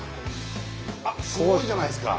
あっすごいじゃないですか。